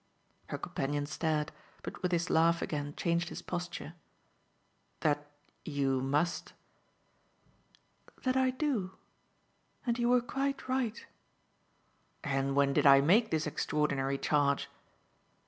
Her companion stared, but with his laugh again changed his posture. "That you' must ?" "That I do and you were quite right." "And when did I make this extraordinary charge?"